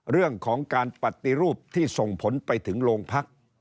เรื่องของการปฏิรูปที่ส่งผลไปถึงโรงพัก